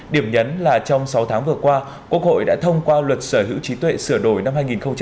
điểm nhấn là trong sáu tháng vừa qua quốc hội đã thông qua luật sở hữu trí tuệ sửa đổi năm hai nghìn một mươi ba